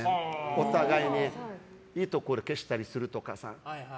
お互いにいいところ消したりするとかさ